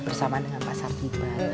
bersama dengan pasar tiba